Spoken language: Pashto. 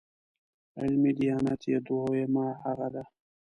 علمي دیانت یې دویمه هغه ده.